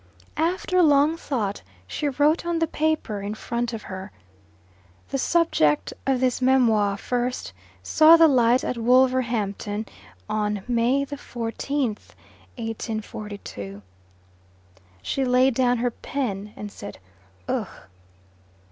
After long thought she wrote on the paper in front of her, "The subject of this memoir first saw the light at Wolverhampton on May the 14th, 1842." She laid down her pen and said "Ugh!"